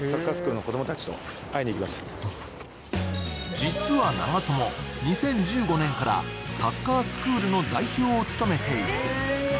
実は長友、２０１５年からサッカースクールの代表を務めている。